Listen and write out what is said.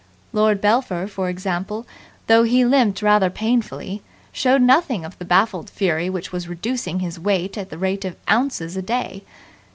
Lord Belpher, for example, though he limped rather painfully, showed nothing of the baffled fury which was reducing his weight at the rate of ounces a day.